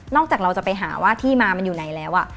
จากเราจะไปหาว่าที่มามันอยู่ไหนแล้ว